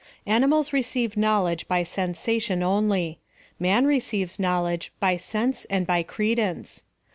Animals receive knowledge by sen sation only; man receives knowledge by sense and by credence.